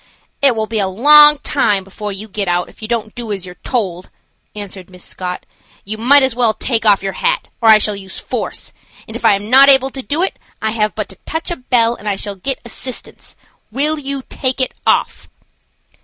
"It will be a long time before you get out if you don't do as you are told," answered Miss Scott. "You might as well take off your hat, or I shall use force, and if I am not able to do it, I have but to touch a bell and I shall get assistance. Will you take it off?"